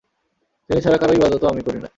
তিনি ছাড়া কারও ইবাদতও আমি করি না।